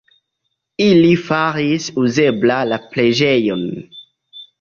Ili faris uzebla la preĝejon.